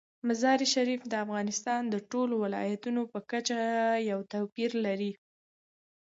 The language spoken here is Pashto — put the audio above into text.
مزارشریف د افغانستان د ټولو ولایاتو په کچه یو توپیر لري.